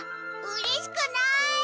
うれしくない！